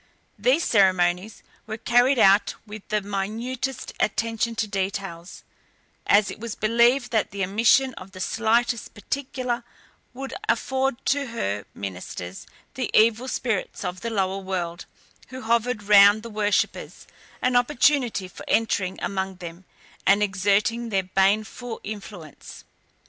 These ceremonies were carried out with the minutest attention to details, as it was believed that the omission of the slightest particular would afford to her ministers, the evil spirits of the lower world, who hovered round the worshippers, an opportunity for entering among them, and exerting their baneful influence.